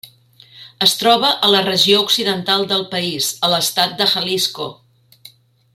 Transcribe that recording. Es troba a la regió occidental del país, a l'estat de Jalisco.